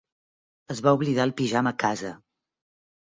Es va oblidar el pijama a casa.